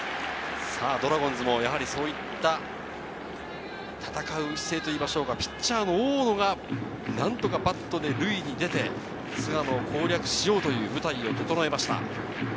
ドラゴンズもそういった戦う姿勢と言いましょうか、ピッチャーの大野が何とかバットで塁に出て菅野を攻略しようという舞台を整えました。